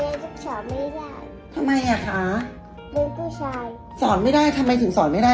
สอนไม่ได้ทำไมอ่ะคะลูกผู้ชายสอนไม่ได้ทำไมถึงสอนไม่ได้